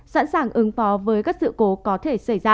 sẵn sàng ứng phó với các sự cố có thể xảy ra